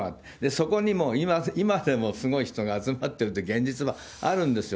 そこにも、今でもすごい人が集まってる現実はあるんですよ。